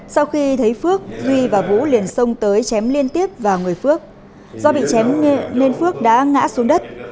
sau khi thấy phước duy và vũ liền xông tới chém liên tiếp vào người phước do bị chém nên phước đã ngã xuống đất